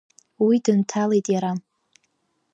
Уи дынҭалеит иара.